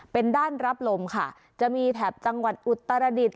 เป็นด้านรับลมค่ะจะมีแถบจังหวัดอุตรดิษฐ